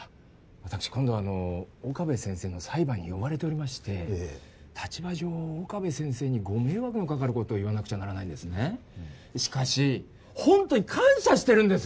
私今度岡部先生の裁判に呼ばれておりまして立場上岡部先生にご迷惑のかかることを言わなくちゃならないんですねしかしホントに感謝してるんです